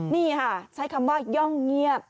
นี่ค่ะใช้คำว่าย่องเงียบ